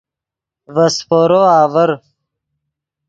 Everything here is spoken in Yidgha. ڤے سیپورو آڤر